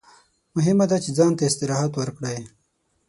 مهمه ده چې ځان ته استراحت ورکړئ.